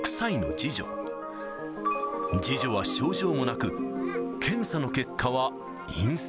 次女は症状もなく、検査の結果は陰性。